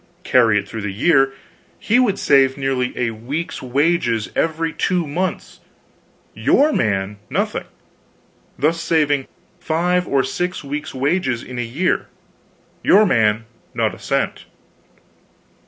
Carry it through the year; he would save nearly a week's wages every two months, your man nothing; thus saving five or six weeks' wages in a year, your man not a cent.